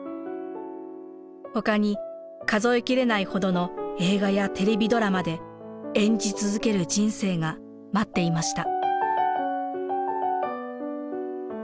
ほかに数え切れないほどの映画やテレビドラマで演じ続ける人生が待っていました。